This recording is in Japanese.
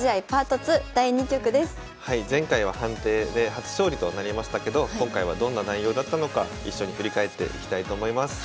前回は判定で初勝利となりましたけど今回はどんな内容だったのか一緒に振り返っていきたいと思います。